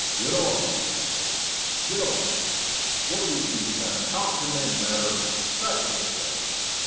"Get on!" he cried; "get on! What do these things matter? How CAN they matter? Back to the trail!"